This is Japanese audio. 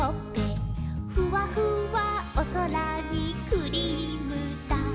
「ふわふわおそらにクリームだ」